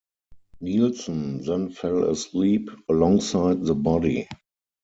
Nilsen then fell asleep alongside the body.